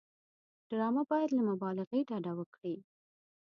ډرامه باید له مبالغې ډډه وکړي